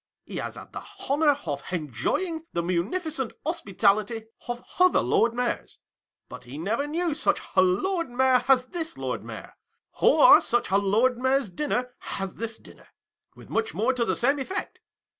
He has had the honour of enjoying the munificent hospitality of other Lord Mayors, but he never knew such a Lord Mayor as this Lord Mayor, or such a Lord Mayor's dinner as this dinner. With much more to the same effect.